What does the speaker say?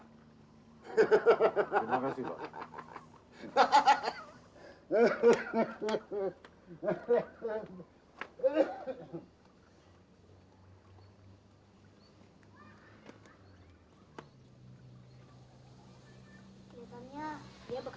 terima kasih pak